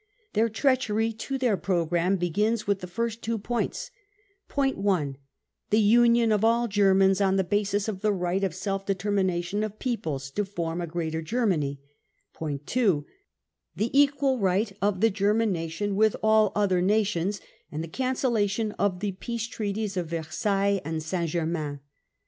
Their treachery to their programme Begins with the first two points : point 1, " the union of all Ger mans on the basis of the right of self determination of peoples, to form a Greater Germany 99 ; point 2, " The equal right of the German nation with all other nations, and the cancellation of the Peace Treaties of Versailles and St. Germain."